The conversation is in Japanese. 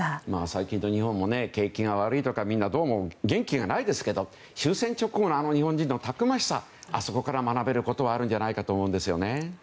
最近でいうと日本も景気が悪いとかみんな、どうも元気がないですけど終戦直後のあの日本人のたくましさから学べることはあるんじゃないかと思います。